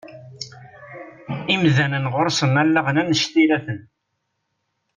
Imdanen ɣuṛ-sen allaɣen annect-ilaten.